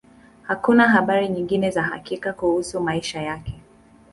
Hakuna habari nyingi za hakika kuhusu maisha yake.